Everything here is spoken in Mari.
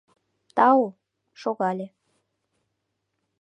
Тау — шогале.